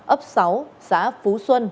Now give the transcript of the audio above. ấp sáu xã phú xuân